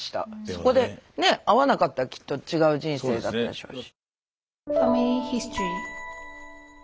そこでね会わなかったらきっと違う人生だったでしょうし。